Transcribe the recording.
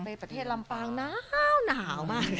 ไปประเทศลำปางน้าวหนาวมาก